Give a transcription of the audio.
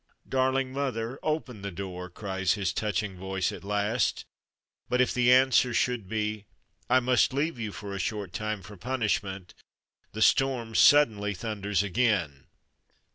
"Darling mother, open the door!" cries his touching voice at last; but if the answer should be "I must leave you for a short time, for punishment," the storm suddenly thunders again.